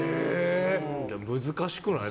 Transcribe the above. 難しくない？